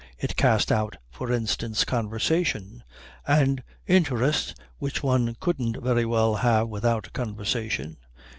It cast out, for instance, conversation. And interest, which one couldn't very well have without conversation.